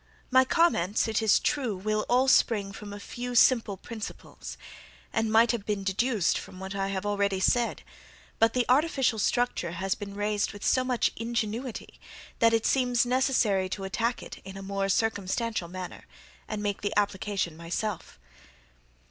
My comments, it is true, will all spring from a few simple principles, and might have been deduced from what I have already said; but the artificial structure has been raised with so much ingenuity, that it seems necessary to attack it in a more circumstantial manner, and make the application myself.